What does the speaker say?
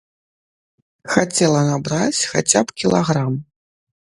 Хацела набраць хаця б кілаграм.